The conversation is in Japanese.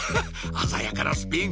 鮮やかなスピン！